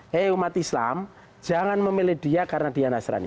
hei umat islam jangan memilih dia karena dia nasrani